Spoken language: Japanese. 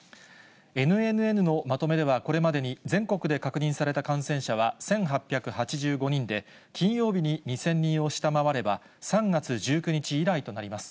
ＮＮＮのまとめでは、これまでに、全国で確認された感染者は１８８５人で、金曜日に２０００人を下回れば、３月１９日以来となります。